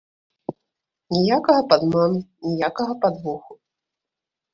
Ніякага падману, ніякага падвоху.